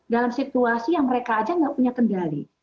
dalam situasi yang mereka aja nggak punya kendali